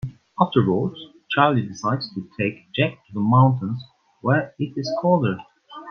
Afterwards, Charlie decides to take Jack to the mountains where it is colder.